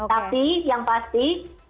tapi yang pasti